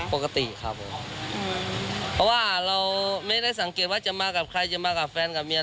ปกติครับผมเพราะว่าเราไม่ได้สังเกตว่าจะมากับใครจะมากับแฟนกับเมีย